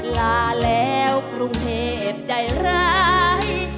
ลาแล้วกรุงเทพใจร้าย